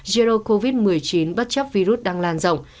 zero covid một mươi chín bất chấp virus đang lan rộng